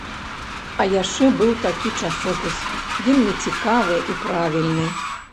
А яшчэ быў такі часопіс, вельмі цікавы і правільны.